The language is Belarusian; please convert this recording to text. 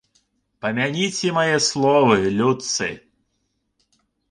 Памяніце мае словы, людцы.